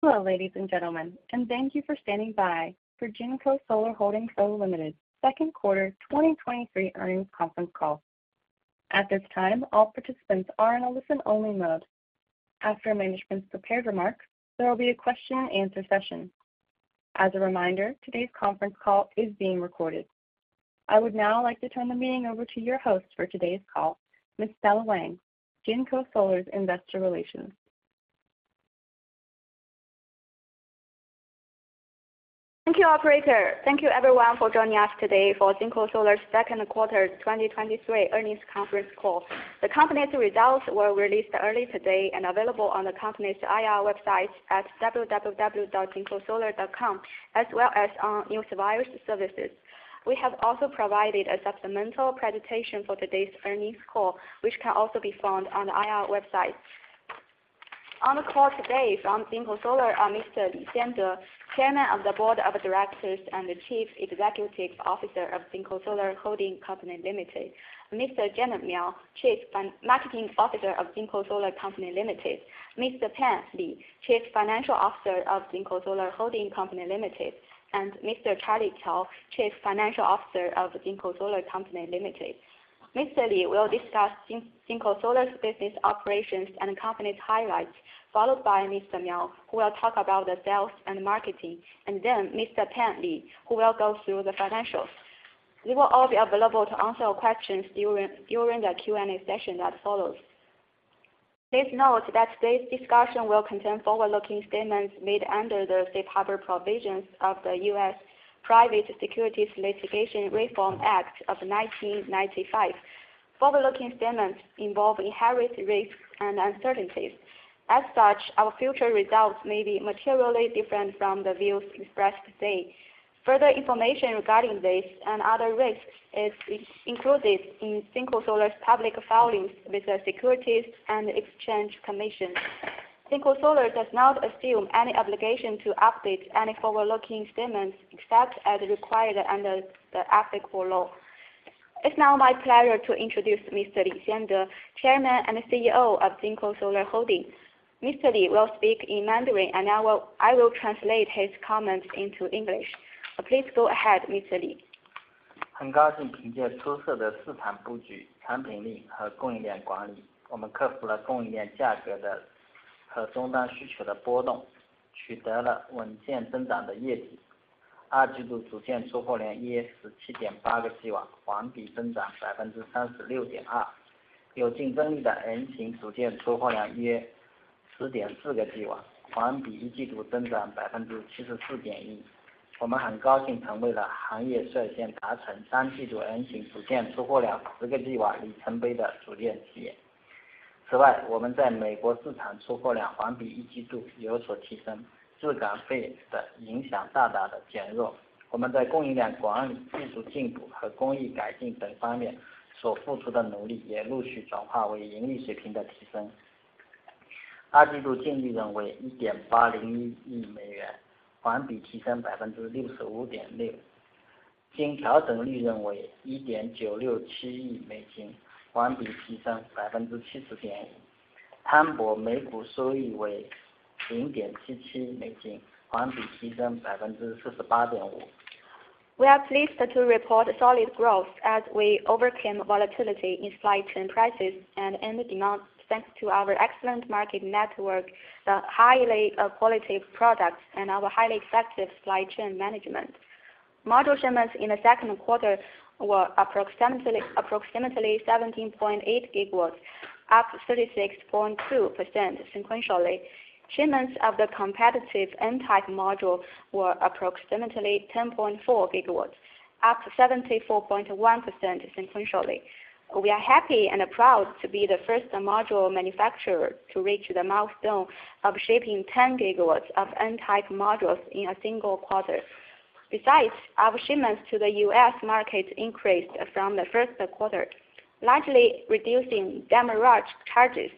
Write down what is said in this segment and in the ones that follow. Hello, ladies and gentlemen, and thank you for standing by for JinkoSolar Holding Co. Ltd. second quarter 2023 earnings conference call. At this time, all participants are in a listen-only mode. After management's prepared remarks, there will be a question-and-answer session. As a reminder, today's conference call is being recorded. I would now like to turn the meeting over to your host for today's call, Miss Stella Wang, JinkoSolar's Investor Relations. Thank you, operator. Thank you everyone for joining us today for JinkoSolar's second quarter 2023 earnings conference call. The company's results were released early today and available on the company's IR website at www.jinkosolar.com, as well as on Newswire Services. We have also provided a supplemental presentation for today's earnings call, which can also be found on the IR website. On the call today from JinkoSolar are Mr. Li Xiande, Chairman of the Board of Directors and the Chief Executive Officer of JinkoSolar Holding Company Limited; Mr. Gener Miao, Chief Marketing Officer of Jinko Solar Company Limited; Mr. Pan Li, Chief Financial Officer of JinkoSolar Holding Company Limited, and Mr. Charlie Cao, Chief Financial Officer of Jinko Solar Company Limited. Mr. Li will discuss JinkoSolar's business operations and the company's highlights, followed by Mr. Miao, who will talk about the sales and marketing, and then Mr. Pan Li, who will go through the financials. They will all be available to answer your questions during, during the Q&A session that follows. Please note that today's discussion will contain forward-looking statements made under the safe harbor provisions of the U.S. Private Securities Litigation Reform Act of 1995. Forward-looking statements involve inherent risks and uncertainties. As such, our future results may be materially different from the views expressed today. Further information regarding this and other risks is in- included in JinkoSolar's public filings with the Securities and Exchange Commission. JinkoSolar does not assume any obligation to update any forward-looking statements, except as required under the applicable law. It's now my pleasure to introduce Mr. Li Xiande, Chairman and CEO of JinkoSolar Holding. Mr. Li will speak in Mandarin. I will translate his comments into English. Please go ahead, Mr. Li. We are pleased to report solid growth as we overcame volatility in supply chain prices and end demand, thanks to our excellent market network, the highly quality products, and our highly effective supply chain management. Module shipments in the second quarter were approximately 17.8 GW, up 36.2% sequentially. Shipments of the competitive N-type module were approximately 10.4 GW, up 74.1% sequentially. We are happy and proud to be the first module manufacturer to reach the milestone of shipping 10 GW of N-type modules in a single quarter. Our shipments to the U.S. market increased from the first quarter, largely reducing demurrage charges.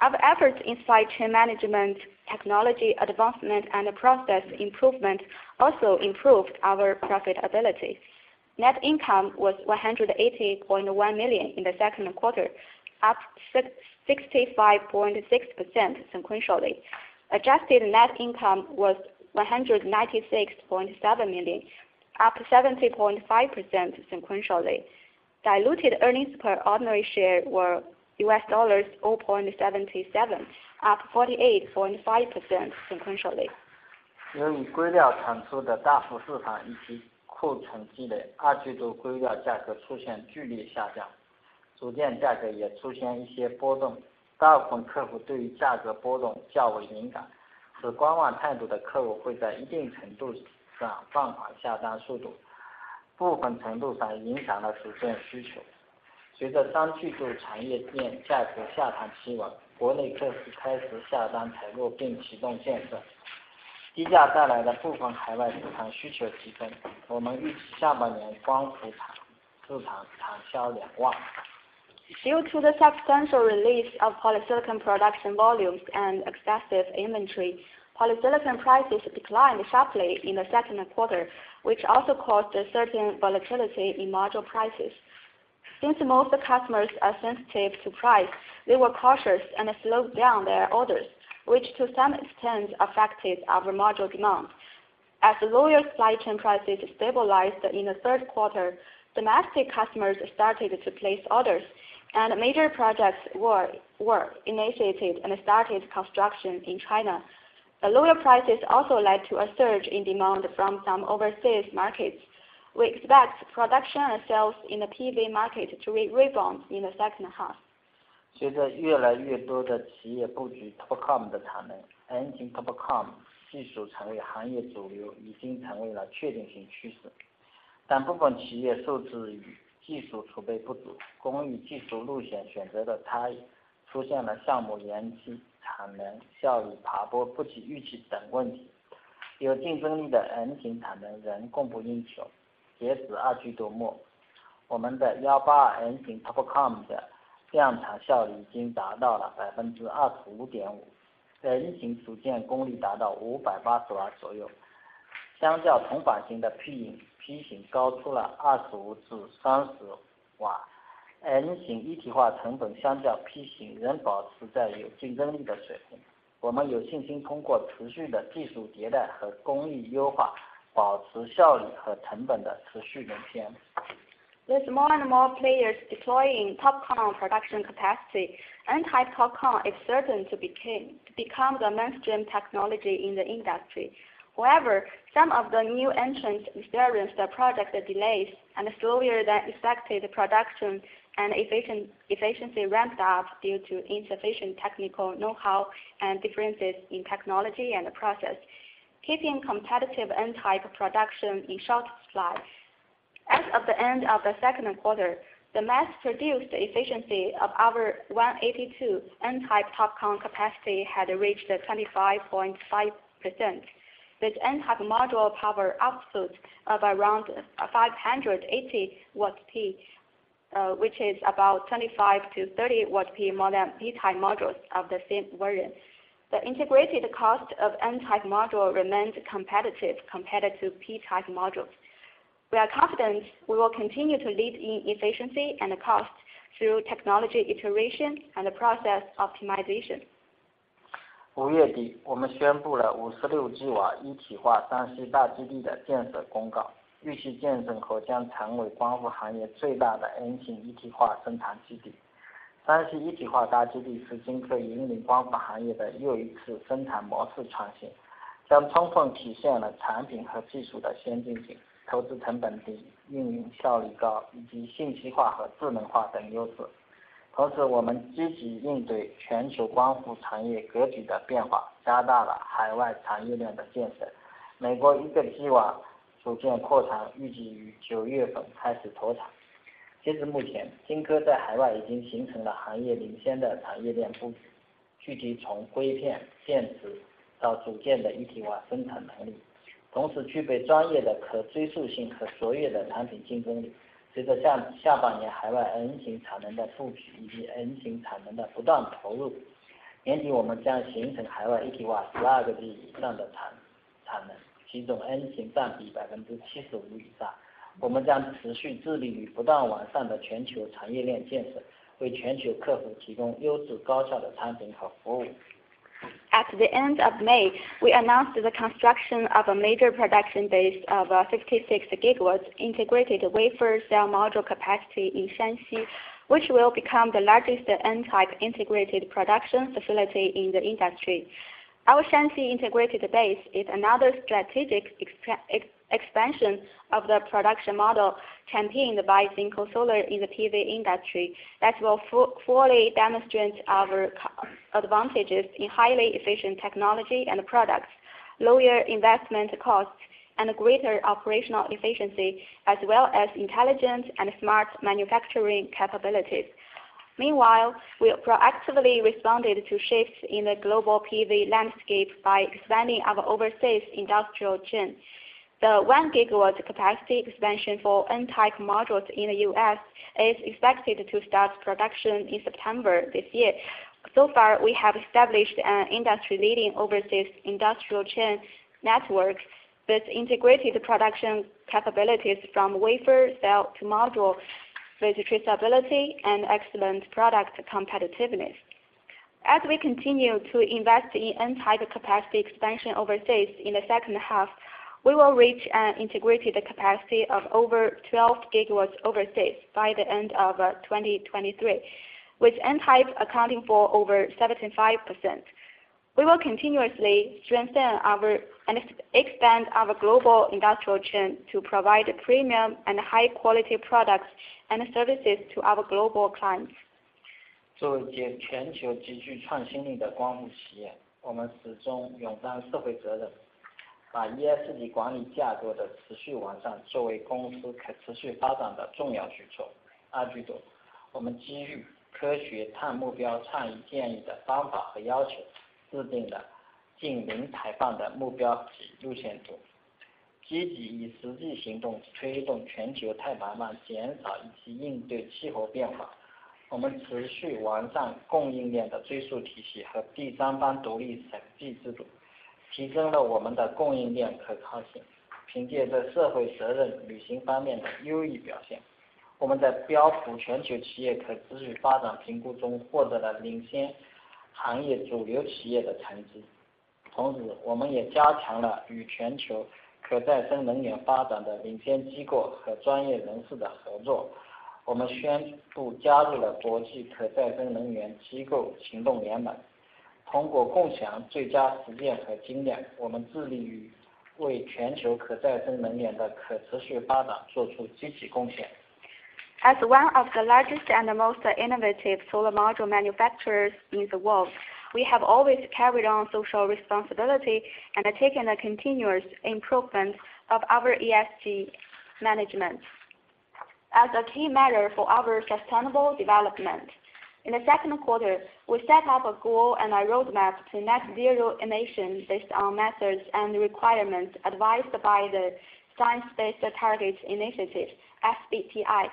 Our efforts in supply chain management, technology advancement, and process improvement also improved our profitability. Net income was $180.1 million in the second quarter, up 65.6% sequentially. Adjusted net income was $196.7 million, up 70.5% sequentially. Diluted earnings per ordinary share were $0.77, up 48.5% sequentially. Due to the substantial release of polysilicon production volumes and excessive inventory, polysilicon prices declined sharply in the second quarter, which also caused a certain volatility in module prices. Since most customers are sensitive to price, they were cautious and slowed down their orders, which to some extent affected our module demand. As the lower supply chain prices stabilized in the third quarter, domestic customers started to place orders and major projects were initiated and started construction in China. The lower prices also led to a surge in demand from some overseas markets. We expect production and sales in the PV market to rebound in the second half. 随着越来越多的企业布局 TOPCon 的产能 ，N 型 TOPCon 技术成为行业主流已经成为了确定性趋势。但部分企业受制于技术储备不 足， 工艺技术路线选择了差 异， 出现了项目延期、产能效率爬坡不及预期等问题。有竞争力的 N 型产能仍供不应 求， 截止二季度 末， 我们的182 N 型 TOPCon 的量产效率已经达到了百分之二十五点五 ，N 型组件功率达到五百八十瓦左 右， 相较同款型的 P 型 ，P 型高出了二十五至三十瓦。N 型一体化成本相较 P 型仍保持在有竞争力的水平。我们有信心通过持续的技术迭代和工艺优 化， 保持效率和成本的持续领先。With more and more players deploying TOPCon production capacity, N-type TOPCon is certain to become the mainstream technology in the industry. However, some of the new entrants experienced product delays and slower than expected production and efficiency ramped up due to insufficient technical know-how and differences in technology and the process, keeping competitive N-type production in short supply. As of the end of the second quarter, the mass-produced efficiency of our 182 N-type TOPCon capacity had reached 25.5%, with N-type module power output of around 580 Wp, which is about 25-30 Wp more than P-type modules of the same variant. The integrated cost of N-type module remains competitive compared to P-type modules. We are confident we will continue to lead in efficiency and cost through technology iteration and process optimization. 五月 底， 我们宣布了五十六吉瓦一体化山西大基地的建设公 告， 预期建成后将成为光伏行业最大的 N 型一体化生产基地。山西一体化大基地是晶科引领光伏行业的又一次生产模式创 新， 将充分体现了产品和技术的先进性、投资成本低、运营效率高以及信息化和智能化等优势。同 时， 我们积极应对全球光伏产业格局的变 化， 加大了海外产业链的建设。美国一个吉瓦组件扩产预计于九月份开始投产。截至目 前， 晶科在海外已经形成了行业领先的产业链布 局， 具体从硅片、电池到组件的一体化生产能 力， 同时具备专业的可追溯性和卓越的产品竞争力。随着 下， 下半年海外 N 型产能的布局以及 N 型产能的不断投 入， 年底我们将形成海外一体化十二个 G 以上的产-产 能， 其中 N 型占比百分之七十五以上。我们将持续致力于不断完善的全球产业链建 设， 为全球客户提供优质高效的产品和服务。At the end of May, we announced the construction of a major production base of 56 GW integrated wafer cell module capacity in Shanxi, which will become the largest N-type integrated production facility in the industry. Our Shanxi integrated base is another strategic expansion of the production model championed by JinkoSolar in the PV industry that will fully demonstrate our advantages in highly efficient technology and products, lower investment costs, and greater operational efficiency, as well as intelligent and smart manufacturing capabilities. Meanwhile, we proactively responded to shifts in the global PV landscape by expanding our overseas industrial chain. The 1 GW capacity expansion for N-type modules in the U.S. is expected to start production in September this year. So far, we have established an industry-leading overseas industrial chain network with integrated production capabilities from wafer, cell to module, with traceability and excellent product competitiveness. As we continue to invest in N-type capacity expansion overseas, in the second half, we will reach an integrated capacity of over 12 GW overseas by the end of 2023, with N-type accounting for over 75%. We will continuously strengthen and expand our global industrial chain to provide premium and high-quality products and services to our global clients. 作为一全球极具创新力的光伏企 业， 我们始终勇担社会责 任， 把 ESG 管理架构的持续完善作为公司可持续发展的重要举措。2季 度， 我们基于科学碳目标倡议建议的方法和要 求， 制定的净零排放的目标及路线 图， 积极以实际行动推动全球碳排放减少以及应对气候变化。我们持续完善供应链的追溯体系和第三方独立审计制度。...提升了我们的供应链可靠性。凭借在社会责任履行方面的优异表 现， 我们在标普全球企业可持续发展评估中获得了领先行业主流企业的成绩。同 时， 我们也加强了与全球可再生能源发展的领先机构和专业人士的合作。我们宣布加入了国际可再生能源机构行动联 盟， 通过共享最佳实践和经 验， 我们致力于为全球可再生能源的可持续发展做出积极贡献。As one of the largest and most innovative solar module manufacturers in the world, we have always carried on social responsibility and taken a continuous improvement of our ESG management. As a key matter for our sustainable development, in the second quarter, we set up a goal and a roadmap to net zero emissions based on methods and requirements advised by the Science Based Targets initiative, SBTi,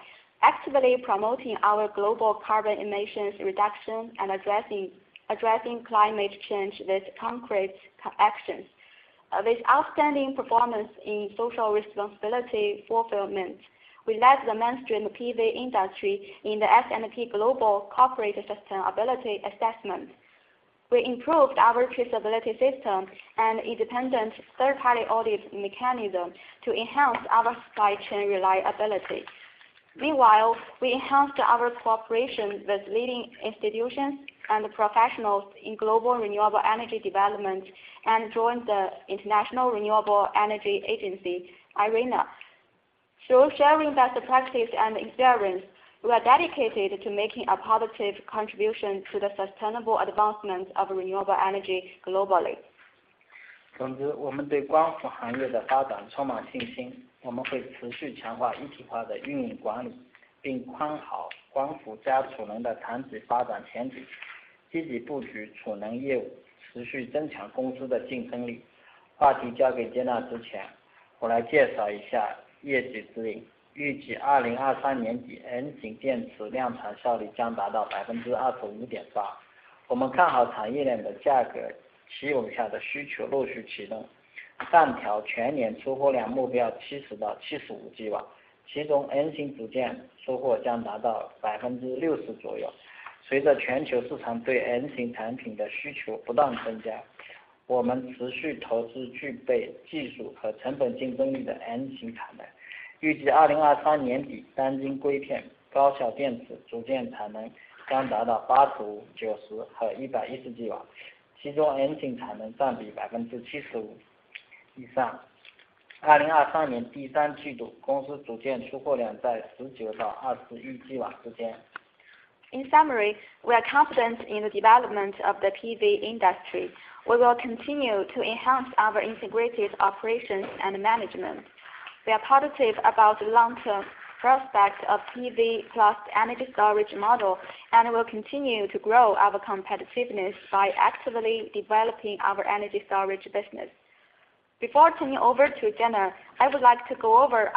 actively promoting our global carbon emissions reduction and addressing climate change with concrete actions. With outstanding performance in social responsibility fulfillment, we led the mainstream PV industry in the S&P Global Corporate Sustainability Assessment. We improved our traceability system and independent third-party audit mechanism to enhance our supply chain reliability. Meanwhile, we enhanced our cooperation with leading institutions and professionals in global renewable energy development and joined the International Renewable Energy Agency, IRENA. Through sharing best practices and experience, we are dedicated to making a positive contribution to the sustainable advancement of renewable energy globally. 总 之， 我们对光伏行业的发展充满信 心， 我们会持续强化一体化的运营管 理， 并宽好光伏加储能的产业发展前 景， 积极布局储能业 务， 持续增强公司的竞争力。话题交给 Jenna 之 前， 我来介绍一下业绩指引。预计二零二三年底 N 型电池量产效率将达到百分之二十五点八。我们看好产业链的价格企稳下的需求陆续启 动， 上调全年出货量目标七十到七十五 GW， 其中 N 型组件出货将达到百分之六十左右。随着全球市场对 N 型产品的需求不断增 加， 我们持续投资具备技术和成本竞争力的 N 型产能。预计二零二三年 底， 单晶硅片、高效电池、组件产能将达到八十五、九十和一百一十 GW， 其中 N 型产能占比百分之七十五以上。二零二三年第三季 度， 公司组件出货量在十九到二十一 GW 之间。In summary, we are confident in the development of the PV industry. We will continue to enhance our integrated operations and management. We are positive about the long-term prospects of PV plus energy storage model, will continue to grow our competitiveness by actively developing our energy storage business. Before turning over to Gener, I would like to go over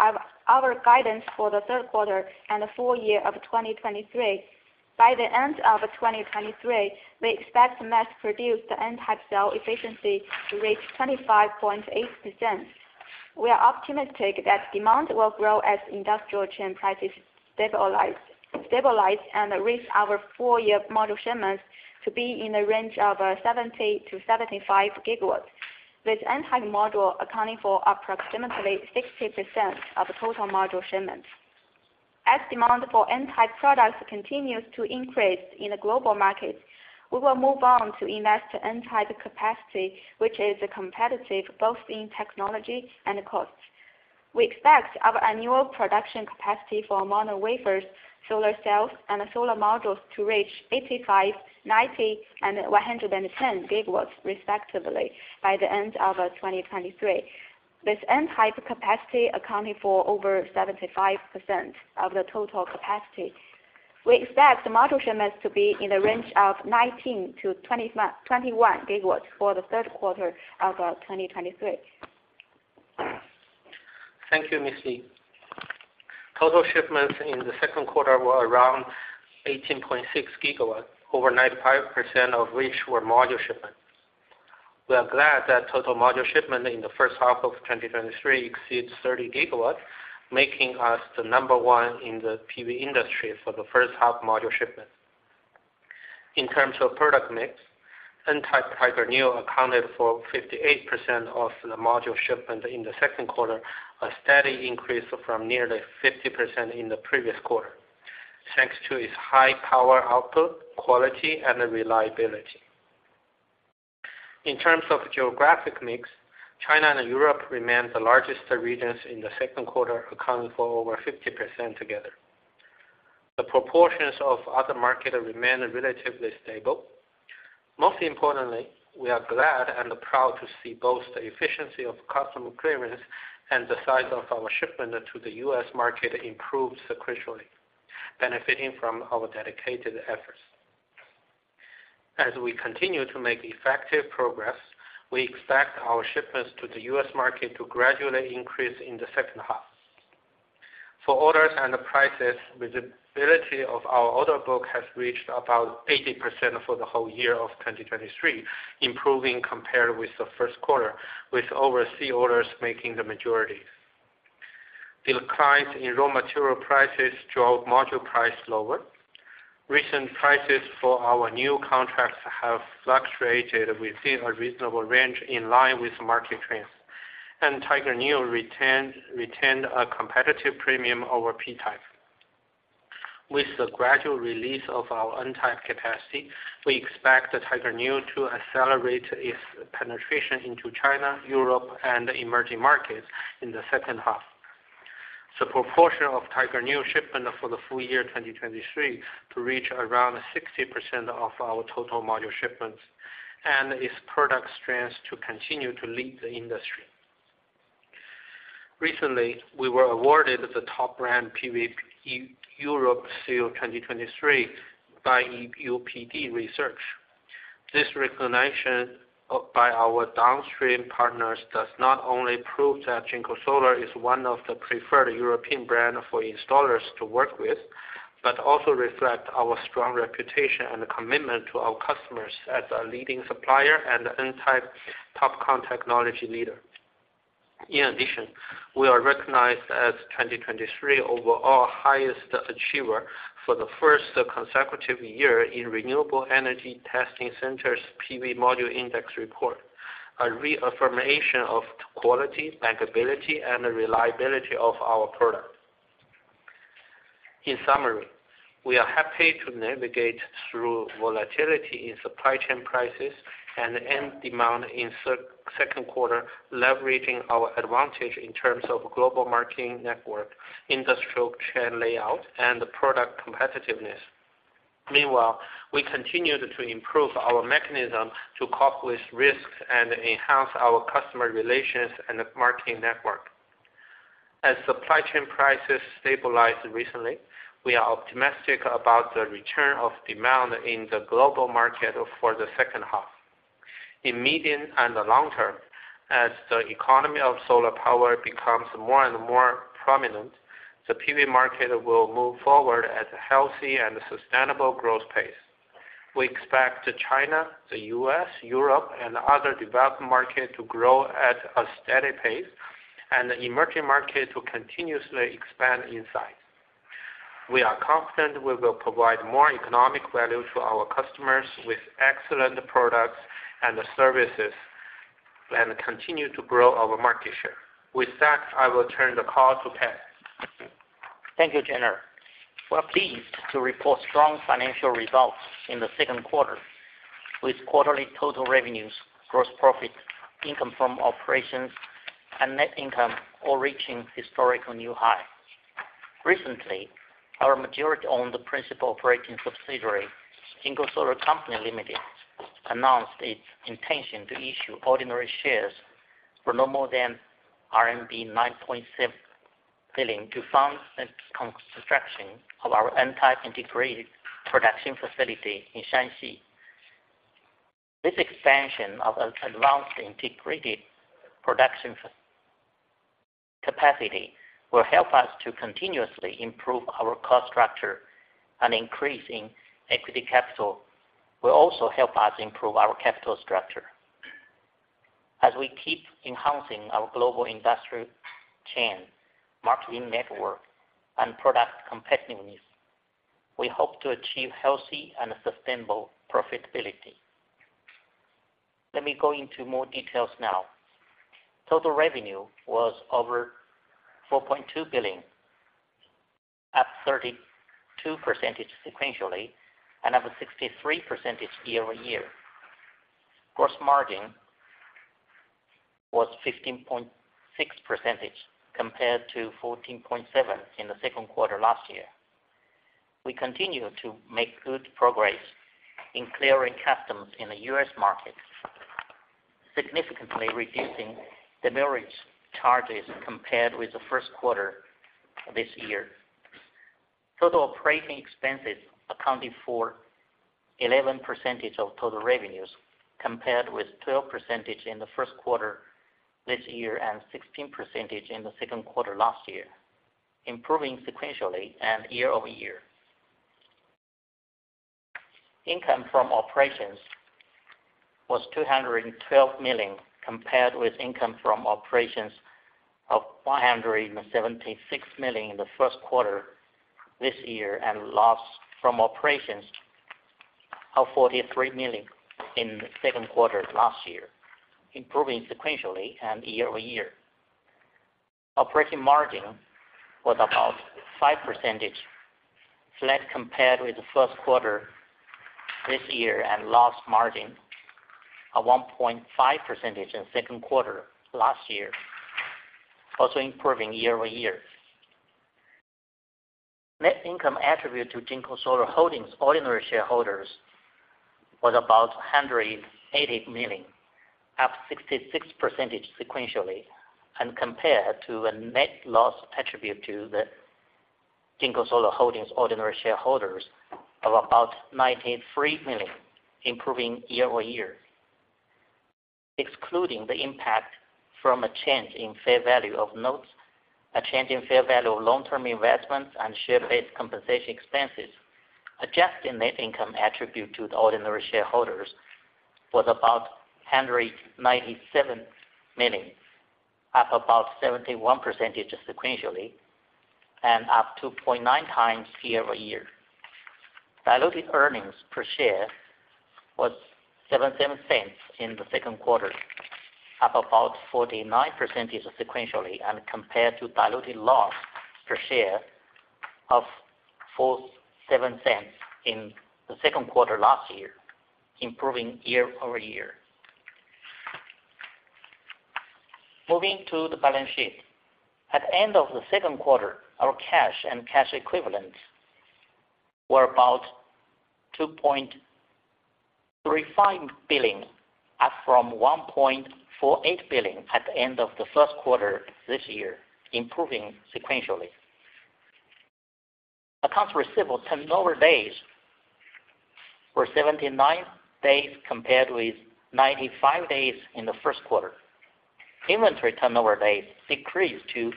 our guidance for the third quarter and the full year of 2023. By the end of 2023, we expect to mass produce the N-type cell efficiency to reach 25.8%. We are optimistic that demand will grow as industrial chain prices stabilize and reach our full year module shipments to be in the range of 70-75 GW, with N-type module accounting for approximately 60% of total module shipments. As demand for N-type products continues to increase in the global market, we will move on to invest in N-type capacity, which is competitive both in technology and cost. We expect our annual production capacity for mono wafers, solar cells, and solar modules to reach 85, 90, and 110 GW respectively by the end of 2023, with N-type capacity accounting for over 75% of the total capacity. We expect module shipments to be in the range of 19-21 GW for the third quarter of 2023. Thank you, Miss Li. Total shipments in the second quarter were around 18.6 GW, over 95% of which were module shipments. We are glad that total module shipment in the first half of 2023 exceeds 30 GW, making us the number one in the PV industry for the first half module shipment. In terms of product mix, N-type Tiger Neo accounted for 58% of the module shipment in the second quarter, a steady increase from nearly 50% in the previous quarter, thanks to its high power output, quality, and reliability. In terms of geographic mix, China and Europe remain the largest regions in the second quarter, accounting for over 50% together. The proportions of other markets remain relatively stable. Most importantly, we are glad and proud to see both the efficiency of customs clearance and the size of our shipment to the U.S. market improve sequentially, benefiting from our dedicated efforts. As we continue to make effective progress, we expect our shipments to the U.S. market to gradually increase in the second half. For orders and the prices, visibility of our order book has reached about 80% for the whole year of 2023, improving compared with the first quarter, with overseas orders making the majority. The declines in raw material prices drove module price lower. Recent prices for our new contracts have fluctuated within a reasonable range in line with market trends, and Tiger Neo retained a competitive premium over P-type. With the gradual release of our N-type capacity, we expect the Tiger Neo to accelerate its penetration into China, Europe, and emerging markets in the second half. The proportion of Tiger Neo shipment for the full year 2023 to reach around 60% of our total module shipments, and its product strengths to continue to lead the industry. Recently, we were awarded the Top Brand PV Europe Seal 2023 by EuPD Research. This recognition by our downstream partners does not only prove that JinkoSolar is one of the preferred European brand for installers to work with, but also reflect our strong reputation and commitment to our customers as a leading supplier and N-type TOPCon technology leader. In addition, we are recognized as 2023 overall highest achiever for the first consecutive year in RETC's PVMI report, a reaffirmation of quality, bankability, and the reliability of our product. In summary, we are happy to navigate through volatility in supply chain prices and end demand in second quarter, leveraging our advantage in terms of global marketing network, industrial chain layout, and product competitiveness. Meanwhile, we continued to improve our mechanism to cope with risks and enhance our customer relations and marketing network. As supply chain prices stabilized recently, we are optimistic about the return of demand in the global market for the second half. In medium and the long term, as the economy of solar power becomes more and more prominent, the PV market will move forward at a healthy and sustainable growth pace. We expect China, the U.S., Europe, and other developed markets to grow at a steady pace, and the emerging markets will continuously expand in size. We are confident we will provide more economic value to our customers with excellent products and services, and continue to grow our market share. With that, I will turn the call to Pan. Thank you, Gener. We're pleased to report strong financial results in the second quarter, with quarterly total revenues, gross profit, income from operations, and net income all reaching historical new high. Recently, our majority-owned principal operating subsidiary, Jinko Solar Co. Ltd., announced its intention to issue ordinary shares for no more than RMB 9.7 billion to fund the construction of our N-type integrated production facility in Shanxi. This expansion of an advanced integrated production capacity will help us to continuously improve our cost structure, increase in equity capital will also help us improve our capital structure. As we keep enhancing our global industrial chain, marketing network, and product competitiveness, we hope to achieve healthy and sustainable profitability. Let me go into more details now. Total revenue was over $4.2 billion, up 32% sequentially, and up 63% year-over-year. Gross margin was 15.6%, compared to 14.7% in the second quarter last year. We continue to make good progress in clearing customs in the U.S. market, significantly reducing the demurrage charges compared with the first quarter this year. Total operating expenses accounted for 11% of total revenues, compared with 12% in the first quarter this year, and 16% in the second quarter last year, improving sequentially and year-over-year. Income from operations was $212 million, compared with income from operations of $176 million in the first quarter this year, and loss from operations of $43 million in the second quarter last year, improving sequentially and year-over-year. Operating margin was about 5%, flat compared with the first quarter this year, and loss margin of 1.5% in 2nd quarter last year, also improving year-over-year. Net income attributable to Jinko Solar Holdings ordinary shareholders was about $180 million, up 66% sequentially, and compared to a net loss attributable to the Jinko Solar Holdings ordinary shareholders of about $93 million, improving year-over-year. excluding the impact from a change in fair value of notes, a change in fair value of long-term investments and share-based compensation expenses, adjusted net income attributable to the ordinary shareholders was about $197 million, up about 71% sequentially, and up 2.9 times year-over-year. Diluted earnings per share was $0.07 in the second quarter, up about 49% sequentially and compared to diluted loss per share of $0.047 in the second quarter last year, improving year-over-year. Moving to the balance sheet. At the end of the second quarter, our cash and cash equivalents were about $2.35 billion, up from $1.48 billion at the end of the first quarter this year, improving sequentially. Accounts receivable turnover days were 79 days, compared with 95 days in the first quarter. Inventory turnover days decreased to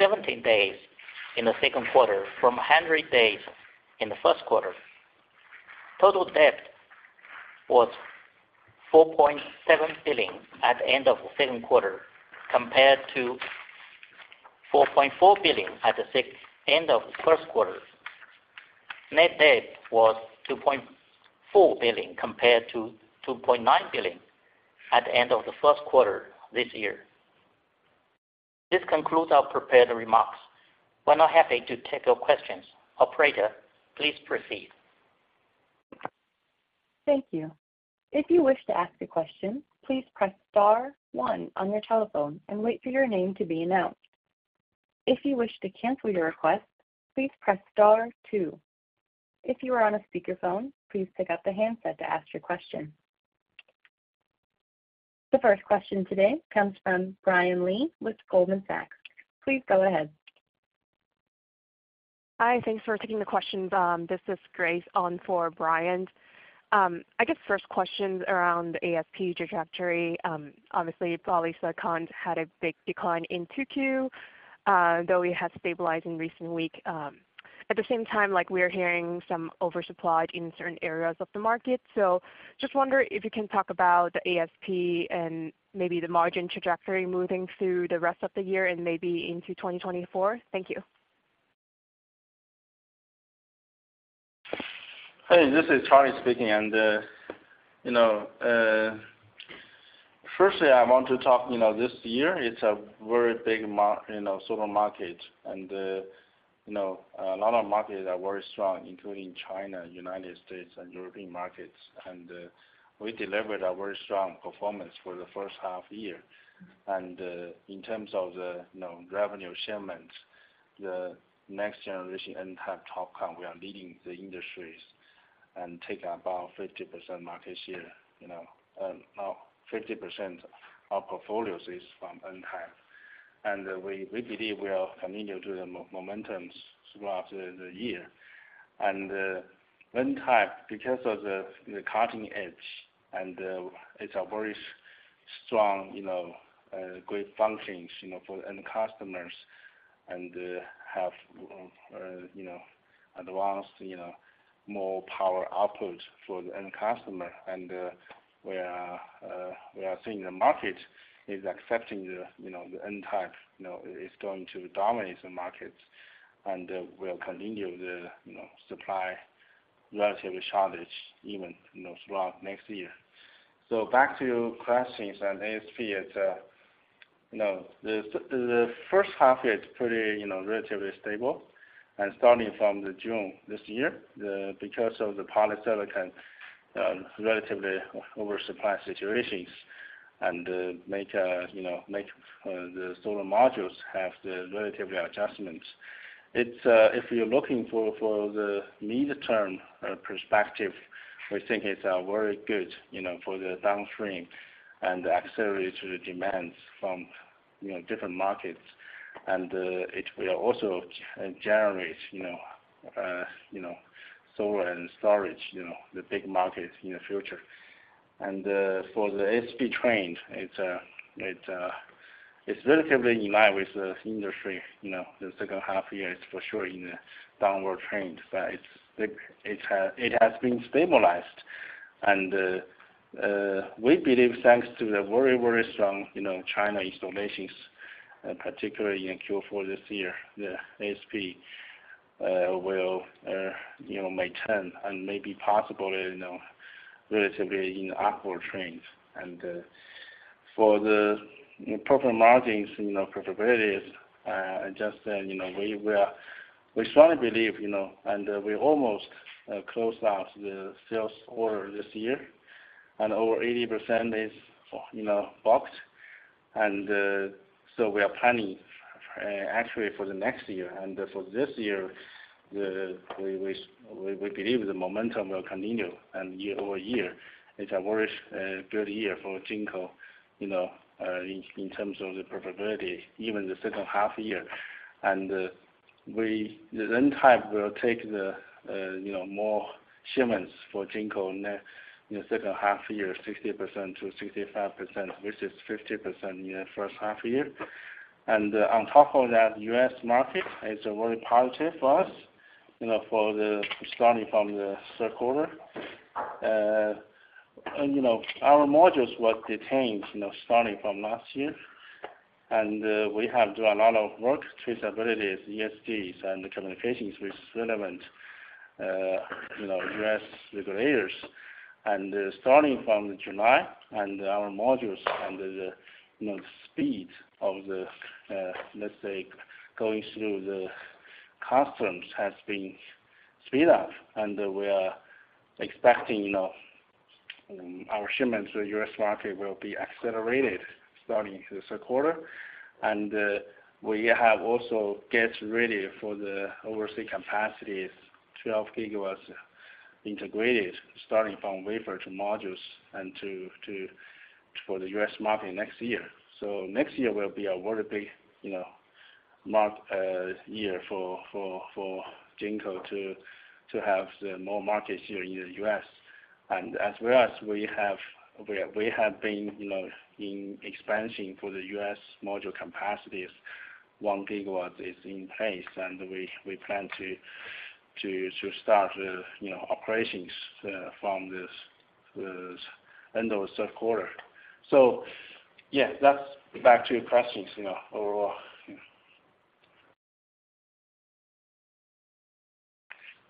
17 days in the second quarter from 100 days in the first quarter. Total debt was $4.7 billion at the end of the second quarter, compared to $4.4 billion at the end of the first quarter. Net debt was $2.4 billion, compared to $2.9 billion at the end of the first quarter this year. This concludes our prepared remarks. We're now happy to take your questions. Operator, please proceed. Thank you. If you wish to ask a question, please press star one on your telephone and wait for your name to be announced. If you wish to cancel your request, please press star two. If you are on a speakerphone, please pick up the handset to ask your question. The first question today comes from Brian Lee with Goldman Sachs. Please go ahead. Hi, thanks for taking the questions. This is Grace on for Brian. I guess first question around ASP trajectory. Obviously, polysilicon had a big decline in 2Q, though it has stabilized in recent week. At the same time, like, we are hearing some oversupply in certain areas of the market. Just wonder if you can talk about the ASP and maybe the margin trajectory moving through the rest of the year and maybe into 2024. Thank you. Hey, this is Charlie speaking, you know, firstly, I want to talk, you know, this year it's a very big you know, solar market, you know, a lot of markets are very strong, including China, United States, and European markets. We delivered a very strong performance for the first half year. In terms of the, you know, revenue shipments, the next generation N-type TOPCon, we are leading the industries and take about 50% market share, you know, and now 50% of portfolios is from N-type. We, we believe we are continue to the momentums throughout the year. N-type, because of the cutting edge, it's a very strong, you know, great functions, you know, for end customers and have, you know, advanced, you know, more power output for the end customer. We are seeing the market is accepting the, you know, N-type, you know, it's going to dominate the market, and we'll continue the, you know, supply relatively shortage even, you know, throughout next year. Back to your questions on ASP, it's, you know, the first half year, it's pretty, you know, relatively stable. Starting from June this year, because of the polysilicon relatively oversupply situations and make, you know, make the solar modules have the relatively adjustments. It's, if you're looking for, for the midterm perspective, we think it's very good, you know, for the downstream and accelerate the demands from, you know, different markets. It will also generate, you know, you know, solar and storage, you know, the big market in the future. For the ASP trend, it's, it's, it's relatively in line with the industry, you know, the second half year is for sure in a downward trend, but it's, it has, it has been stabilized. We believe, thanks to the very, very strong, you know, China installations, particularly in Q4 this year, the ASP will, you know, maintain and maybe possibly, you know, relatively in upward trends. For the proper margins, you know, profitability, I just said, you know, we strongly believe, you know, we almost closed out the sales order this year, and over 80% is, you know, booked. We are planning, actually, for the next year. For this year, the, we, we, we, we believe the momentum will continue and year-over-year, it's a very good year for Jinko, you know, in, in terms of the profitability, even the second half year. The N-type will take the, you know, more shipments for Jinko in the, in the second half year, 60%-65%, which is 50% in the first half year. On top of that, U.S. market is very positive for us, you know, for the starting from the third quarter. Our modules was detained, you know, starting from last year, and we have do a lot of work, traceabilities, ESG, and communications with relevant, you know, U.S. regulators. Starting from the July, our modules and the speed of the going through the customs has been speed up, and we are expecting, you know, our shipments to U.S. market will be accelerated starting the third quarter. We have also get ready for the overseas capacities, 12 gigawatts integrated, starting from wafer to modules and to for the U.S. market next year. Next year will be a very big, you know, mark, year for Jinko to have the more market share in the U.S. As well as we have been, you know, in expansion for the U.S. module capacities, 1 GW is in place, and we plan to start, you know, operations from this end of 3rd quarter. Yes, that's back to your questions, you know, overall.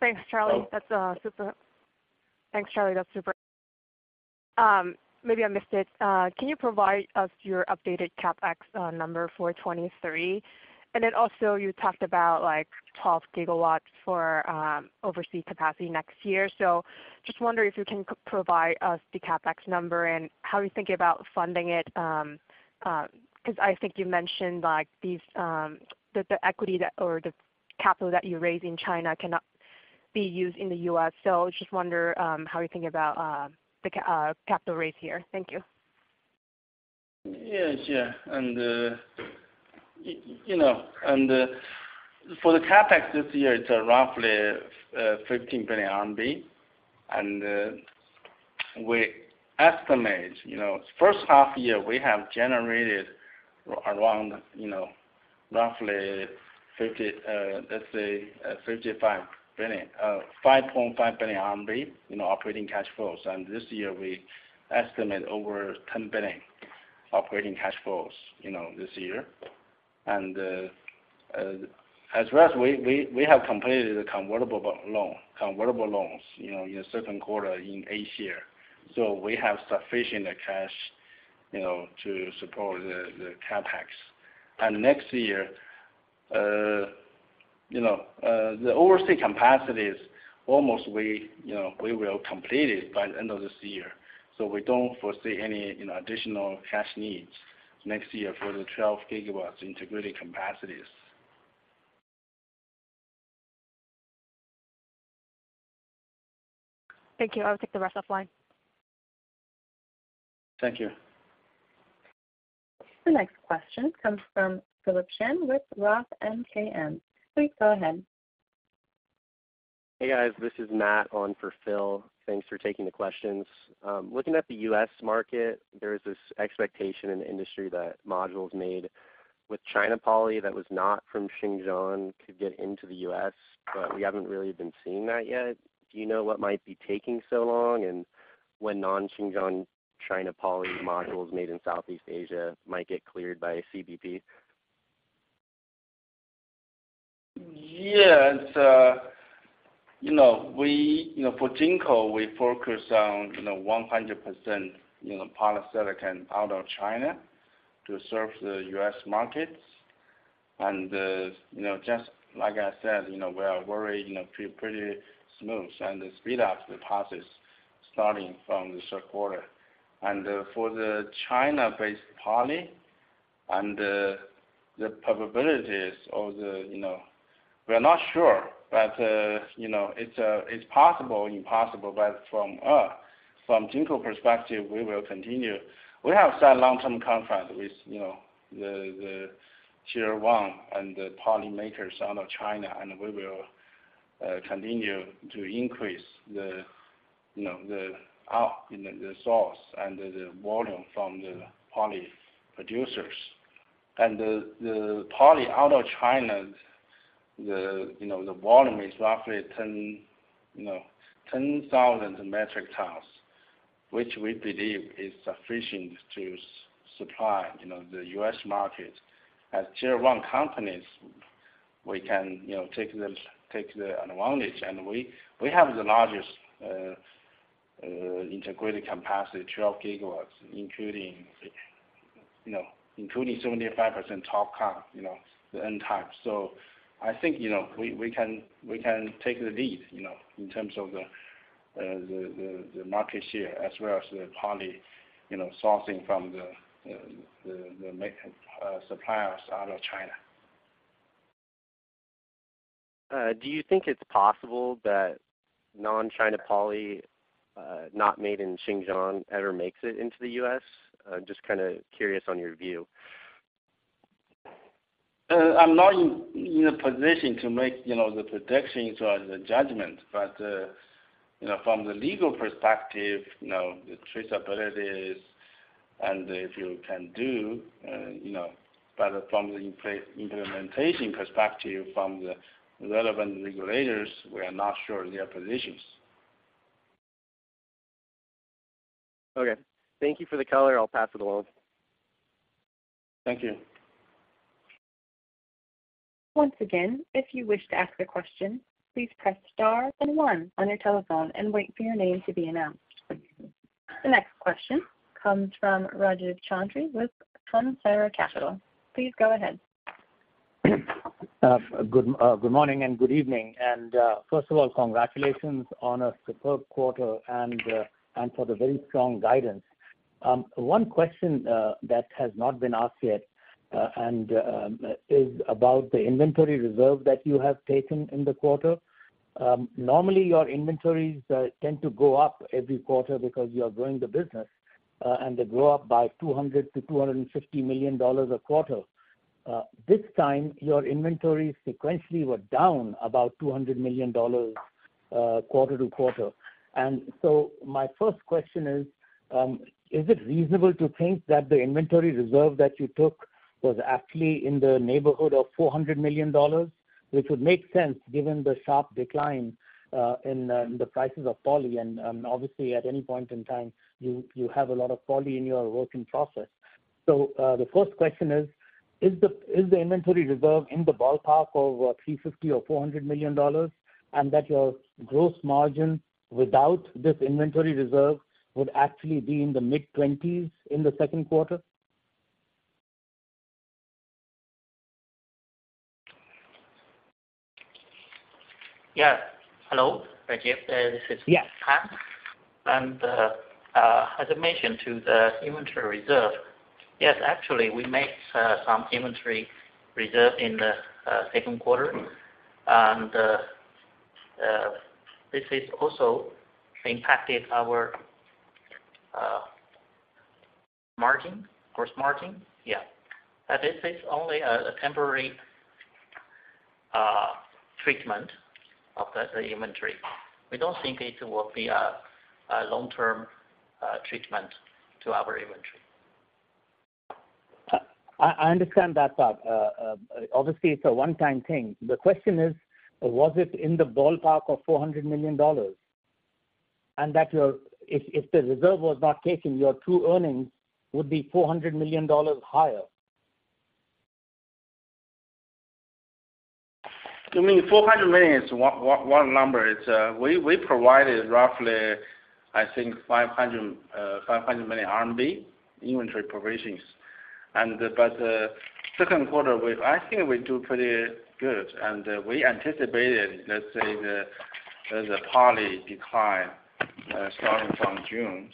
Thanks, Charlie. That's super. Thanks, Charlie. That's super. Maybe I missed it. Can you provide us your updated CapEx number for 2023? Also, you talked about, like, 12 GW for overseas capacity next year. Just wondering if you can provide us the CapEx number, and how are you thinking about funding it, because I think you mentioned, like, these, the, the equity that or the capital that you raise in China cannot be used in the U.S. Just wonder how you think about the capital raise here. Thank you. Yes,. You know, for the CapEx this year, it's roughly 15 billion RMB. We estimate, you know, first half year, we have generated around, you know, roughly 50, let's say, 55 billion, 5.5 billion RMB in operating cash flows. This year, we estimate over 10 billion operating cash flows, you know, this year. As well as we have completed the convertible loans, you know, in the second quarter in a year. We have sufficient cash, you know, to support the CapEx. Next year, you know, the overseas capacities, almost we, you know, will complete it by the end of this year. We don't foresee any, you know, additional cash needs next year for the 12 GW integrated capacities. Thank you. I'll take the rest offline. Thank you. The next question comes from Philip Shen with Roth MKM. Please go ahead. Hey, guys, this is Matt on for Phil. Thanks for taking the questions. Looking at the U.S. market, there is this expectation in the industry that modules made with China poly that was not from Xinjiang could get into the U.S., but we haven't really been seeing that yet. Do you know what might be taking so long, and when non-Xinjiang China poly modules made in Southeast Asia might get cleared by CBP? Yes, you know, we, you know, for Jinko, we focus on, you know, 100%, you know, polysilicon out of China to serve the U.S. markets. You know, just like I said, you know, we are very, you know, pretty smooth and speed up the process, starting from the third quarter. For the China-based polysilicon and, the probabilities of the, you know... We're not sure, but, you know, it's, it's possible and possible, but from, from Jinko perspective, we will continue. We have signed long-term contract with, you know, the, the Tier one and the polysilicon makers out of China, and we will, continue to increase the, you know, the out, you know, the source and the, the volume from the polysilicon producers. The, the poly out of China, the, you know, the volume is roughly 10,000 metric tons, which we believe is sufficient to supply, you know, the U.S. market. As Tier 1 companies, we can, you know, take the, take the advantage, and we, we have the largest integrated capacity, 12 gigawatts, including, you know, including 75% TOPCon, you know, the N-type. I think, you know, we, we can, we can take the lead, you know, in terms of the, the, the, the market share, as well as the poly, you know, sourcing from the, the, the suppliers out of China.... do you think it's possible that non-China poly, not made in Xinjiang, ever makes it into the U.S.? I'm just kind of curious on your view. I'm not in, in a position to make, you know, the predictions or the judgment, but, you know, from the legal perspective, you know, the traceability is, and if you can do, you know. From the implementation perspective, from the relevant regulators, we are not sure of their positions. Okay. Thank you for the color. I'll pass it along. Thank you. Once again, if you wish to ask a question, please press star, then one on your telephone and wait for your name to be announced. The next question comes from Rajiv Chaudhri with Sunsara Capital. Please go ahead. Good morning and good evening. First of all, congratulations on a superb quarter and for the very strong guidance. One question that has not been asked yet, and is about the inventory reserve that you have taken in the quarter. Normally, your inventories tend to go up every quarter because you are growing the business, and they grow up by $200 million-$250 million a quarter. This time, your inventories sequentially were down about $200 million quarter to quarter. My first question is, is it reasonable to think that the inventory reserve that you took was actually in the neighborhood of $400 million? Which would make sense given the sharp decline in the prices of poly, and obviously, at any point in time, you, you have a lot of poly in your working process. The first question is: Is the inventory reserve in the ballpark of $350 million-$400 million, and that your gross margin without this inventory reserve would actually be in the mid-20s in the second quarter? . Hello, Rajiv, this is. Yes. As I mentioned to the inventory reserve, yes, actually, we made some inventory reserve in the second quarter. This is also impacted our margin, gross margin.. This is only a temporary treatment of the inventory. We don't think it will be a long-term treatment to our inventory. I, I understand that part. obviously, it's a one-time thing. The question is: Was it in the ballpark of $400 million? That your... If, if the reserve was not taken, your true earnings would be $400 million higher. You mean 400 million is 1, 1, 1 number. It's, we, we provided roughly, I think, 500 million RMB inventory provisions. But the second quarter, I think we do pretty good, and we anticipated, let's say, the poly decline starting from June.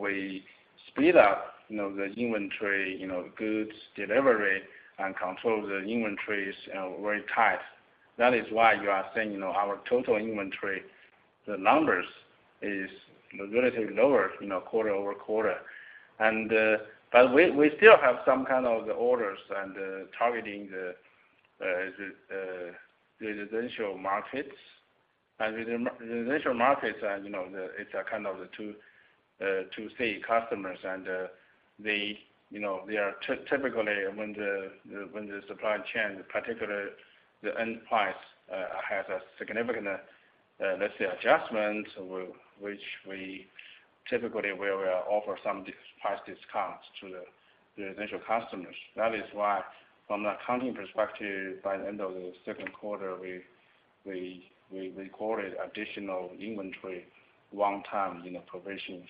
We speed up, you know, the inventory, you know, goods delivery and control the inventories very tight. That is why you are seeing, you know, our total inventory, the numbers is relatively lower, you know, quarter-over-quarter. But we, we still have some kind of the orders and targeting the residential markets. The residential markets, as you know, the, it's a kind of the to see customers and, they, you know, they are typically, when the, when the supply chain, particularly the end price, has a significant, let's say, adjustment, which we typically we will offer some price discounts to the residential customers. That is why, from the accounting perspective, by the end of the second quarter, we, we, we recorded additional inventory, one-time, you know, provisions,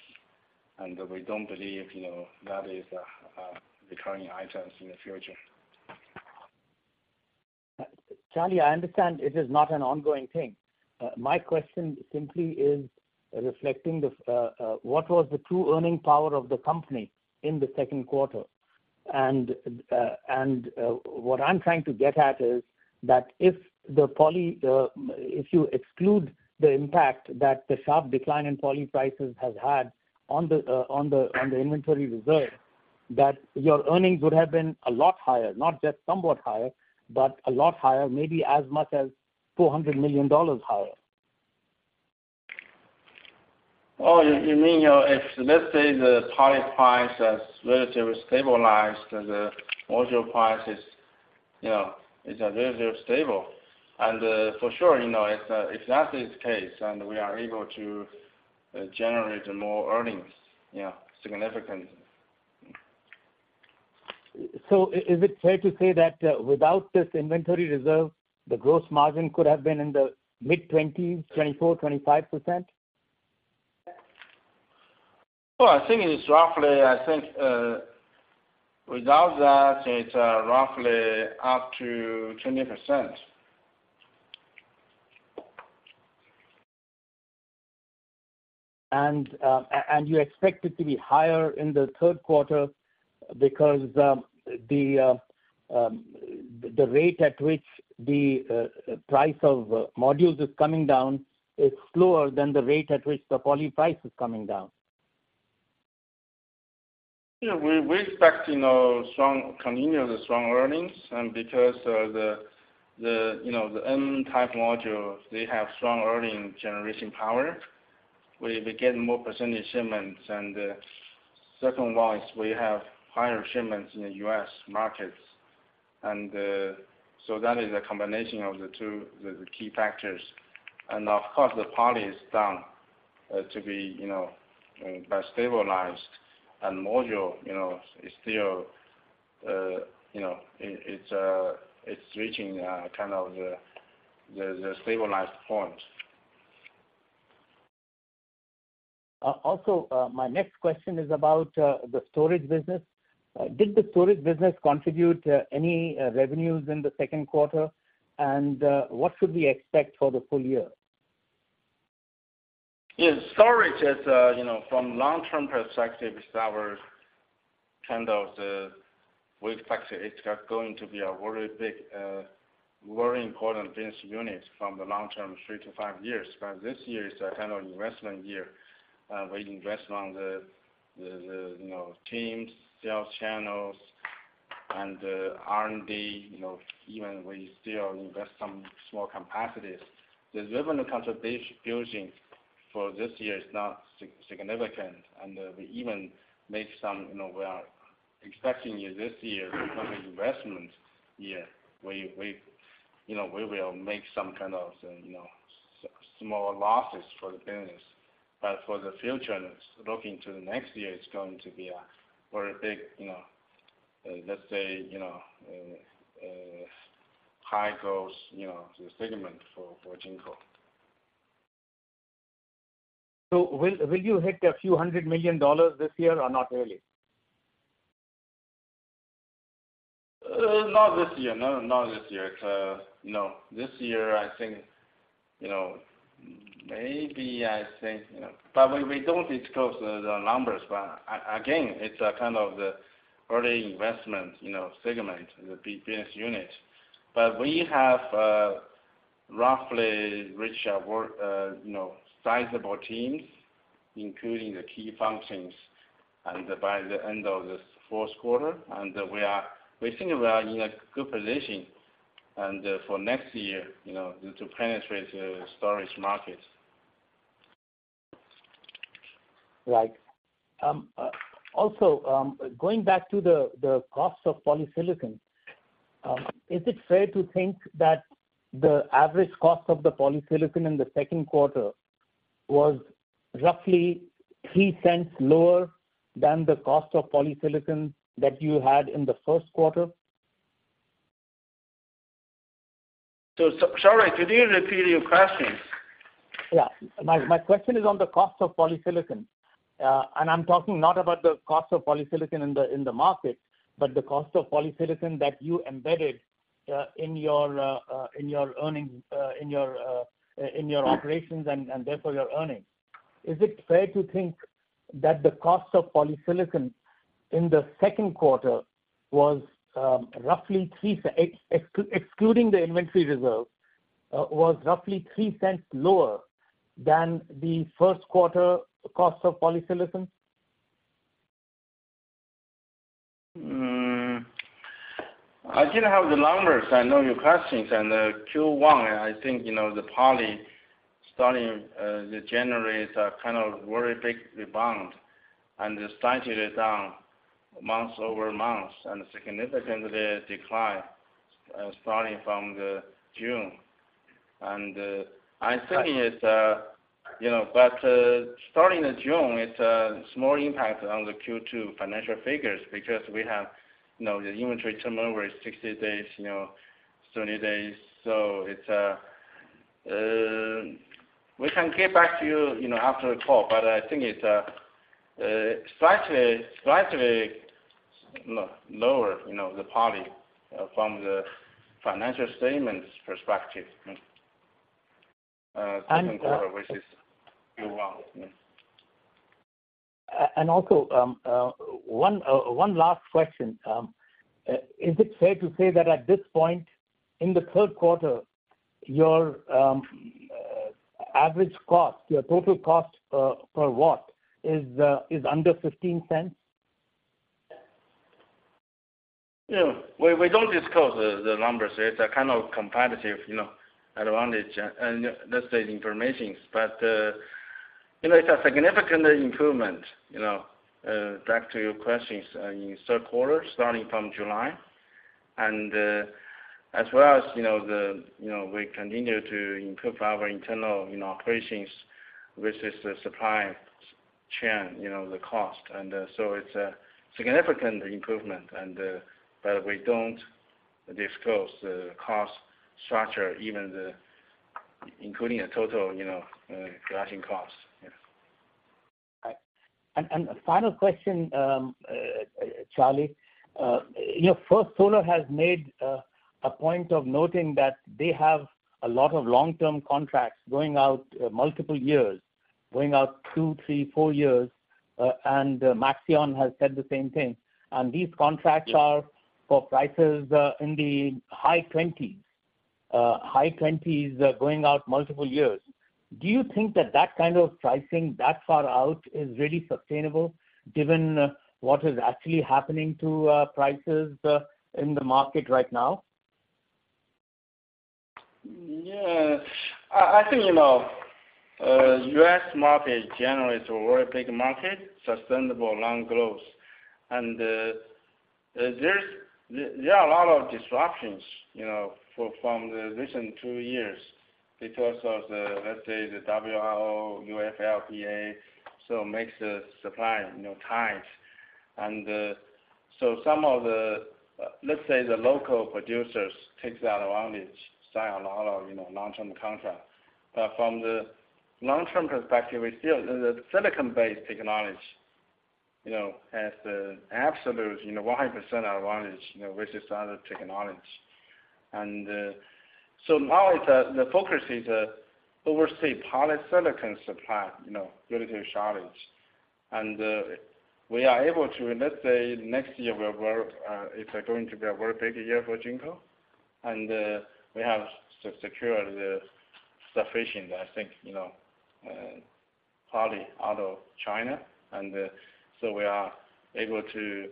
and we don't believe, you know, that is a recurring items in the future. Charlie, I understand it is not an ongoing thing. My question simply is reflecting the what was the true earning power of the company in the second quarter? What I'm trying to get at is, that if the poly, if you exclude the impact that the sharp decline in poly prices has had on the, on the, on the inventory reserve, that your earnings would have been a lot higher, not just somewhat higher, but a lot higher, maybe as much as $400 million higher. Oh, you mean, you know, if, let's say, the poly price has relatively stabilized, and the module price is, you know, is relatively stable, and, for sure, you know, if that is the case, and we are able to generate more earnings,, significantly. Is it fair to say that, without this inventory reserve, the gross margin could have been in the mid-twenties, 24-25%? Well, I think it is roughly, I think, without that, it's, roughly up to 20%.... and you expect it to be higher in the third quarter because the rate at which the price of modules is coming down is slower than the rate at which the poly price is coming down?, we expect, you know, continuous strong earnings, and because of the, you know, the N-type modules, they have strong earning generation power, we get more percentage shipments. Second-wise, we have higher shipments in the U.S. markets. That is a combination of the two key factors. Of course, the poly is down to be, you know, stabilized. Module, you know, is still, you know, it's reaching kind of the stabilized point. Also, my next question is about the storage business. Did the storage business contribute any revenues in the second quarter? What should we expect for the full year? Yes, storage is, you know, from long-term perspective, it's our kind of the way to fix it. It's got going to be a very big, very important business unit from the long term, 3 to 5 years. This year is a kind of investment year. We invest on the, the, the, you know, teams, sales channels, and R&D, you know, even we still invest some small capacities. The revenue contribution for this year is not significant, and we even make some, you know, we are expecting this year to become an investment year. We, we, you know, we will make some kind of, you know, small losses for the business. For the future, and it's looking to the next year, it's going to be a very big, you know, let's say, you know, high growth, you know, segment for, for Jinko. Will, will you hit a few hundred million dollars this year or not really? Not this year. No, not this year. You know, this year, I think, you know, maybe I think, you know. We, we don't disclose the, the numbers, but again, it's a kind of the early investment, you know, segment, the big business unit. We have, roughly reached our, you know, sizable teams, including the key functions, and by the end of this fourth quarter, and we think we are in a good position, and for next year, you know, to penetrate the storage markets. Right. Also, going back to the, the cost of polysilicon, is it fair to think that the average cost of the polysilicon in the second quarter was roughly $0.03 lower than the cost of polysilicon that you had in the first quarter? Sorry, could you repeat your question?. My, my question is on the cost of polysilicon. I'm talking not about the cost of polysilicon in the, in the market, but the cost of polysilicon that you embedded in your operations and, and therefore, your earnings. Is it fair to think that the cost of polysilicon in the second quarter was roughly $0.03 excluding the inventory reserve, was roughly $0.03 lower than the first quarter cost of polysilicon? I didn't have the numbers. I know your questions. Q1, I think, you know, the poly starting January is a kind of very big rebound, and slightly down month-over-month, and significantly decline starting from June. I think it's, you know. Starting in June, it's a small impact on the Q2 financial figures because we have, you know, the inventory turnover is 60 days, you know, 30 days. It's, we can get back to you, you know, after the call, but I think it's slightly lower, you know, the poly from the financial statement perspective. And, uh- Second quarter, which is Q1. One last question: Is it fair to say that at this point in the third quarter, your average cost, your total cost per watt is under $0.15? You know, we, we don't disclose the, the numbers. It's a kind of competitive, you know, advantage, and, let's say, information. You know, it's a significant improvement, you know, back to your questions, in second quarter, starting from July. As well as, you know, the, you know, we continue to improve our internal, you know, operations with the supply chain, you know, the cost. It's a significant improvement, and, but we don't disclose the cost structure, even the, including the total, you know, flashing costs.. Right. A final question, Charlie. You know, First Solar has made a point of noting that they have a lot of long-term contracts going out multiple years, going out 2, 3, 4 years, and Maxeon has said the same thing. These contracts are for prices in the high twenties, high twenties going out multiple years. Do you think that that kind of pricing that far out is really sustainable given what is actually happening to prices in the market right now?. I, I think, you know, U.S. market generally is a very big market, sustainable long growth. There are a lot of disruptions, you know, for from the recent 2 years because of the, let's say, the WRO, UFLPA, makes the supply, you know, tight. Some of the, let's say, the local producers takes that advantage, sign a lot of, you know, long-term contract. From the long-term perspective, we still, the silicon-based technology, you know, has the absolute, you know, 100% advantage, you know, versus other technology. Now the, the focus is overseas polysilicon supply, you know, relative shortage. We are able to, let's say, next year will work, it's going to be a very big year for Jinko, we have secured the sufficient, I think, you know, poly out of China. We are able to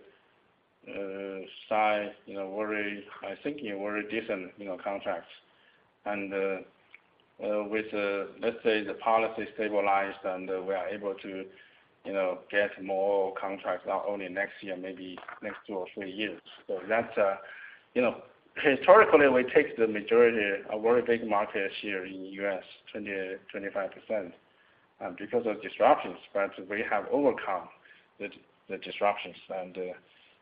sign, you know, very, I think, a very decent, you know, contracts. With, let's say, the policy stabilized, and we are able to, you know, get more contracts not only next year, maybe next two or three years. You know, historically, we take the majority of very big market share in U.S., 20-25%, because of disruptions, but we have overcome the, the disruptions.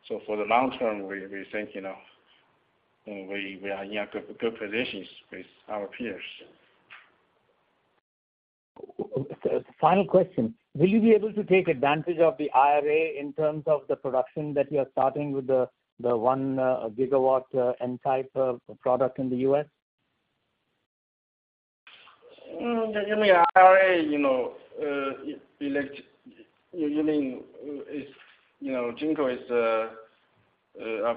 For the long term, we, we think, you know, we, we are in a good, good positions with our peers. Final question: Will you be able to take advantage of the IRA in terms of the production that you are starting with the 1 gigawatt N-type of product in the U.S.? You mean IRA, you know, you mean, if, you know, Jinko is,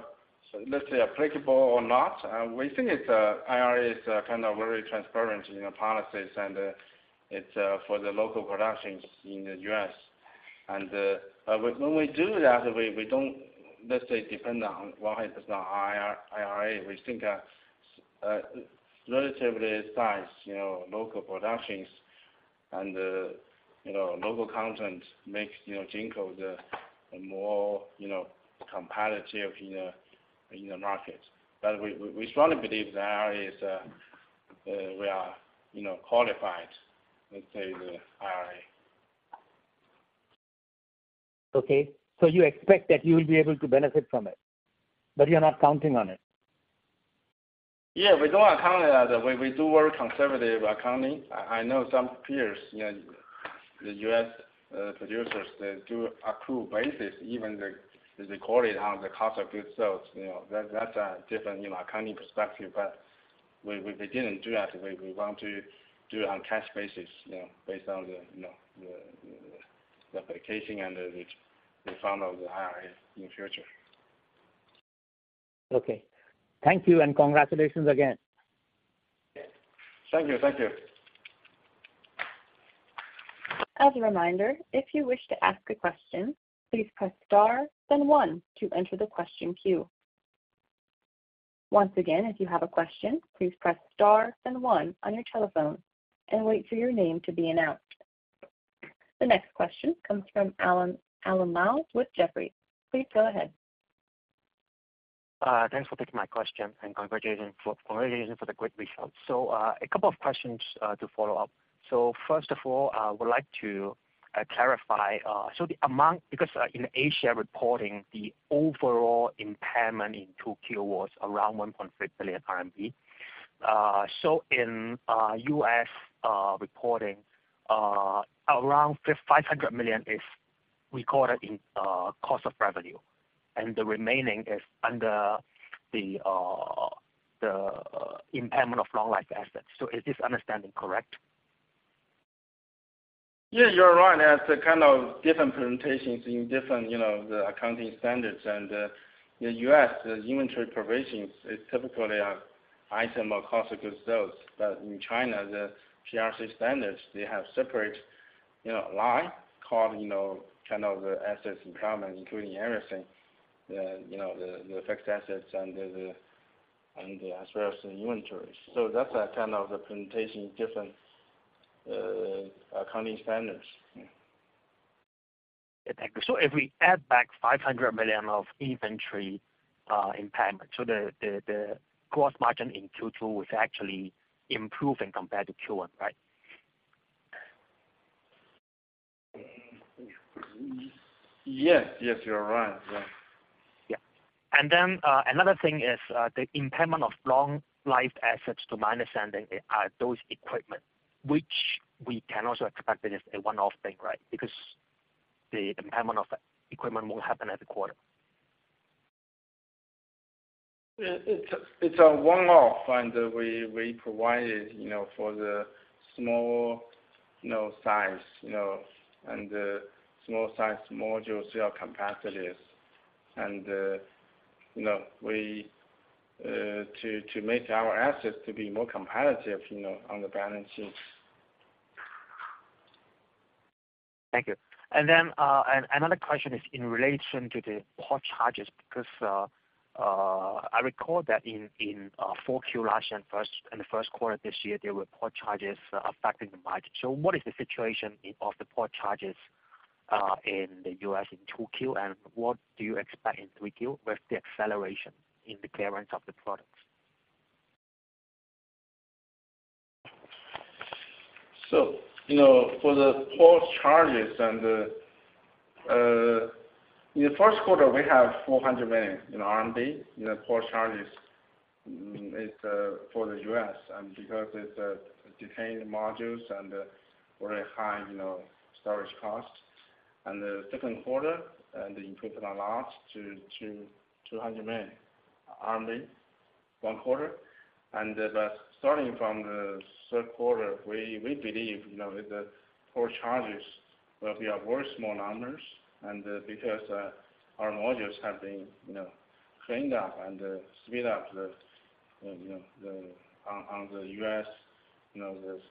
let's say, applicable or not? We think it's, IRA is, kind of very transparent, you know, policies, it's, for the local productions in the U.S. When we do that, we, we don't, let's say, depend on 100% IRA. We think, relatively size, you know, local productions and, you know, local content makes, you know, Jinko the more, you know, competitive in the, in the market. We, we, we strongly believe the IRA is, we are, you know, qualified, let's say, the IRA. Okay. You expect that you will be able to benefit from it, but you're not counting on it?, we don't account it as we, we do very conservative accounting. I, I know some peers, you know, the U.S. producers, they do accrue basis, even the, the recording on the cost of goods sales. You know, that's, that's a different, you know, accounting perspective, but we, we didn't do that. We, we want to do it on cash basis, you know, based on the, you know, the, the, the application and the, the, the fund of the IRA in future. Okay. Thank you. Congratulations again. Thank you. Thank you. As a reminder, if you wish to ask a question, please press star, then one to enter the question queue. Once again, if you have a question, please press star, then one on your telephone and wait for your name to be announced. The next question comes from Alan, Alan Lau with Jefferies. Please go ahead. Thanks for taking my question, and congratulations for- congratulations for the great results. A couple of questions to follow up. First of all, I would like to clarify, so the amount- because, in Asia reporting, the overall impairment in 2Q was around 1.6 billion RMB. In U.S. reporting, around $500 million is recorded in cost of revenue, and the remaining is under the, the impairment of long-lived assets. Is this understanding correct?, you're right. There's a kind of different presentations in different, you know, the accounting standards. In the U.S., the inventory provisions is typically an item of cost of goods sold. In China, the PRC standards, they have separate, you know, line called, you know, kind of the assets impairment, including everything, the, you know, the, the fixed assets and as well as the inventories. That's a kind of the presentation, different, accounting standards. If we add back $500 million of inventory, impairment, so the, the, the gross margin in Q2 was actually improving compared to Q1, right? Yes. Yes, you're right...... Another thing is, the impairment of long-life assets to minus ending are those equipment, which we can also expect it is a one-off thing, right? Because the impairment of equipment won't happen every quarter., it's a, it's a one-off, and we, we provided, you know, for the small, you know, size, you know, and, small size module cell capacities. You know, we, to, to make our assets to be more competitive, you know, on the balance sheets. Thank you. Another question is in relation to the port charges, because, I recall that in 4Q last year and first, in the first quarter this year, there were port charges affecting the market. What is the situation of the port charges in the U.S. in 2Q? What do you expect in 3Q with the acceleration in the clearance of the products? You know, for the port charges and in the first quarter, we have 400 million, in the port charges. It's for the U.S., and because it's detained modules and very high, you know, storage costs. The second quarter, and it increased a lot to 200 million, one quarter. Starting from the third quarter, we, we believe, you know, the port charges will be a very small numbers, and because our modules have been, you know, cleaned up and speed up the, you know, the, on, on the U.S., you know, this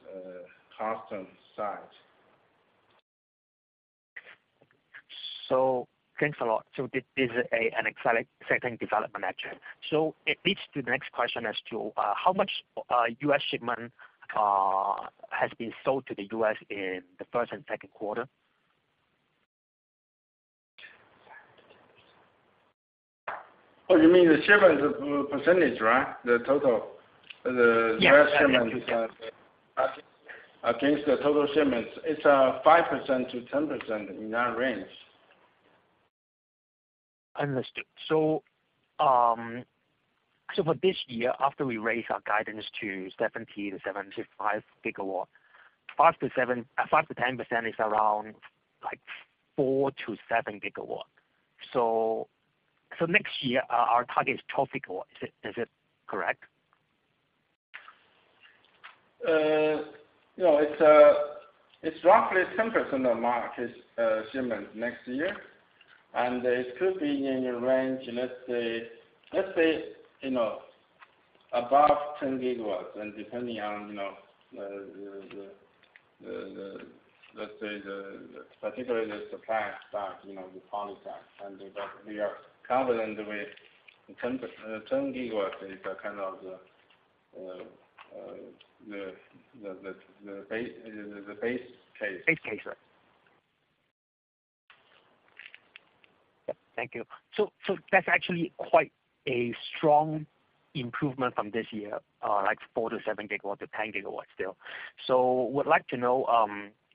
customs side. Thanks a lot. This is an exciting, exciting development actually. It leads to the next question as to how much U.S. shipment has been sold to the U.S. in the first and second quarter? Oh, you mean the shipments percentage, right? The total, US shipments, against the total shipments, it's, 5%-10% in that range. Understood. for this year, after we raise our guidance to 70-75 GW, 5-10% is around, like, 4-7 GW. next year, our, our target is 12 GW. Is it, is it correct? you know, it's, it's roughly 10% of market, shipment next year, and it could be in a range, let's say, let's say, you know, above 10 GW, and depending on, you know, the, let's say, the, particularly the supply side, you know, the poly side. We are confident with 10, 10 GW is a kind of the base, the base case. Base case, right. Yep, thank you. That's actually quite a strong improvement from this year, like 4-7 GW to 10 GW still. Would like to know,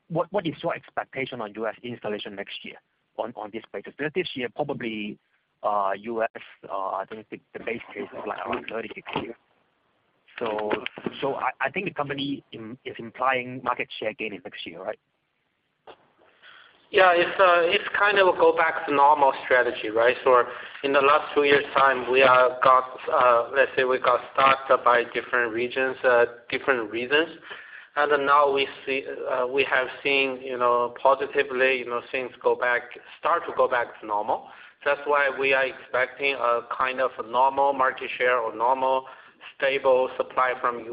what, what is your expectation on US installation next year on, on this basis? Because this year, probably, US, I think the, the base case is like around 30 GW. I, I think the company is implying market share gain in next year, right? It's kind of a go back to normal strategy, right? In the last two years' time, we have got, let's say we got stuck by different regions, different reasons. Now we see, we have seen, you know, positively, you know, things start to go back to normal. That's why we are expecting a kind of normal market share or normal, stable supply from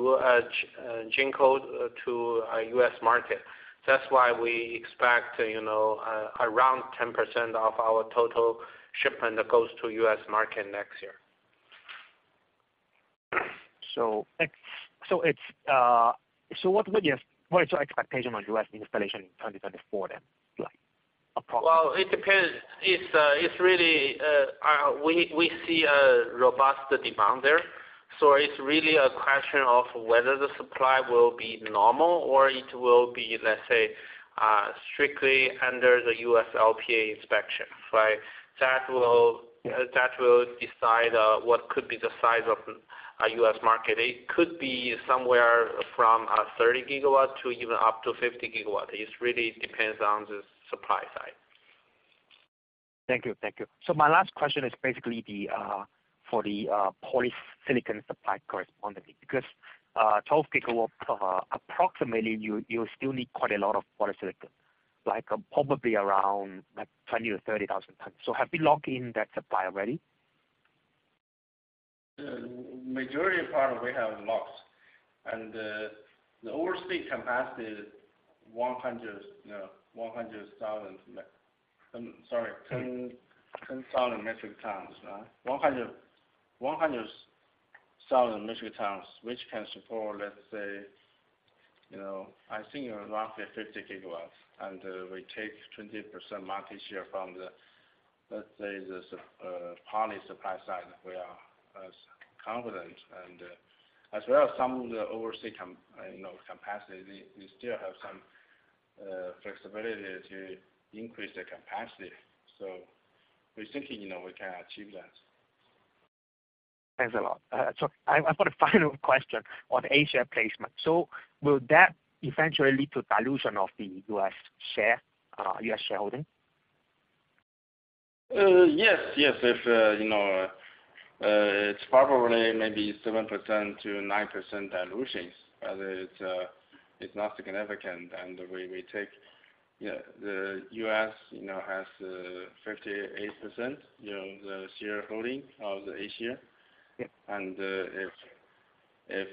Jinko to U.S. market. That's why we expect, you know, around 10% of our total shipment that goes to U.S. market next year. so it's... what would your, what is your expectation on U.S. installation in 2024 then, like, approximately? Well, it depends. It's, it's really, we, we see a robust demand there, so it's really a question of whether the supply will be normal or it will be, let's say, strictly under the UFLPA inspection, right? That will- That will decide what could be the size of U.S. market. It could be somewhere from 30 GW to even up to 50 GW. It really depends on the supply side. Thank you. Thank you. My last question is basically for the polysilicon supply correspondingly, because 12 GW approximately, you, you still need quite a lot of polysilicon, like, probably around, like, 20,000-30,000 tons. Have you locked in that supply already? The majority of product we have locked, the overseas capacity is 100, you know, 100,000 sorry, 10,000 metric tons, 100,000 metric tons, which can support, let's say, you know, I think roughly 50 GW. We take 20% market share from the, let's say, the poly supply side, we are, confident. As well as some of the overseas you know, capacity, we, we still have some, flexibility to increase the capacity. We're thinking, you know, we can achieve that. Thanks a lot. I, I've got a final question on A-share placement. Will that eventually lead to dilution of the U.S. share, U.S. shareholding? Yes, yes. If, you know, it's probably maybe 7% to 9% dilutions, but it's, it's not significant. We, we take,, the U.S., you know, has, 58%, you know, the shareholding of the A-share. Yep. If, if,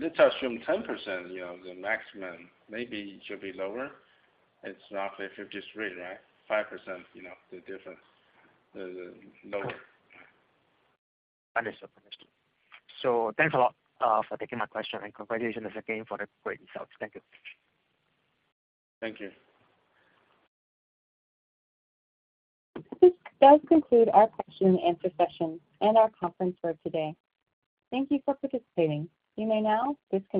let's assume 10%, you know, the maximum, maybe it should be lower. It's roughly $53, right? 5%, you know, the difference, the, the lower. Understood. Understood. Thanks a lot, for taking my question, and congratulations again for the great results. Thank you. Thank you. This does conclude our question and answer session and our conference for today. Thank you for participating. You may now disconnect.